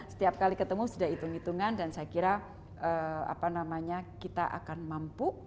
setiap kali ketemu sudah hitung hitungan dan saya kira kita akan mampu